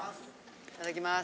いただきます。